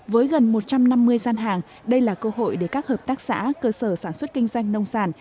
với gần một trăm năm mươi gian hàng đây là cơ hội để các hợp tác xã cơ sở sản xuất kinh doanh nông sản